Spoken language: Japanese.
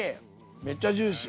めっちゃジューシー。